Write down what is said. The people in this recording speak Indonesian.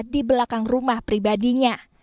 di belakang rumah pribadinya